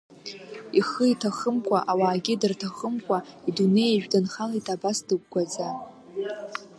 Ихы иҭахымкәа, ауаагьы дырҭахымкәа, идунеиажә данхалеит абас дыгәгәаӡа.